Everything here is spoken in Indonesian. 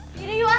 gini yuk ah